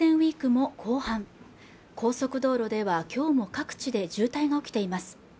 ＧＷも後半高速道路ではきょうも各地で渋滞が起きています